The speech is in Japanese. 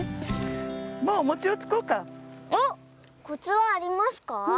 コツはありますか？